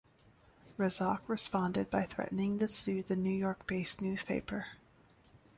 Razak responded by threatening to sue the New York-based newspaper.